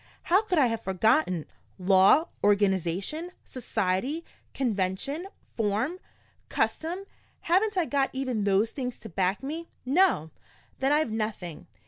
How could I have forgotten? Law, organization, society, convention, form, custom haven't I got even those things to back me? No? Then I've nothing!